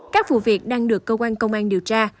các vụ việc đang được cơ quan công an điều tra